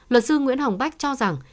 luật sư nguyễn hồng bách cho rằng